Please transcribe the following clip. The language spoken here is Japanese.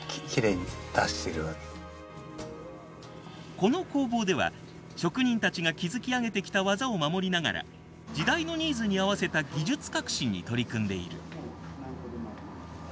この工房では職人たちが築き上げてきた技を守りながら時代のニーズに合わせた技術革新に取り組んでいる。